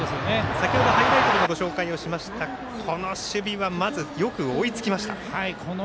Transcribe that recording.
先ほどハイライトでもご紹介しましたがこの守備はよく追いつきました。